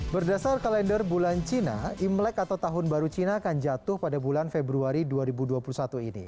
berdasar kalender bulan cina imlek atau tahun baru cina akan jatuh pada bulan februari dua ribu dua puluh satu ini